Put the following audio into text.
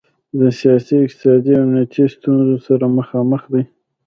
د سیاسي، اقتصادي او امنیتي ستونخو سره مخامخ دی.